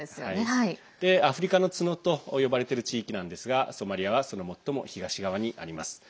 アフリカの角と呼ばれている地域なんですがソマリアはその最も東側にあります。